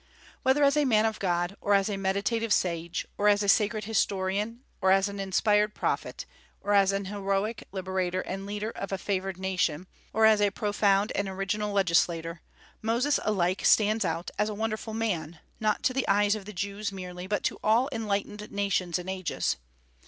Whether as a "man of God," or as a meditative sage, or as a sacred historian, or as an inspired prophet, or as an heroic liberator and leader of a favored nation, or as a profound and original legislator, Moses alike stands out as a wonderful man, not to the eyes of Jews merely, but to all enlightened nations and ages.